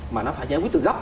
mà nó phải giải quyết từ góc